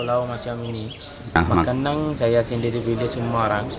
satu hari satu kali masa